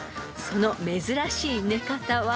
その珍しい寝方は？］